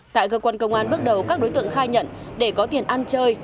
tại cơ quan công an bước đầu các đối tượng khai nhận để có tiền ăn chơi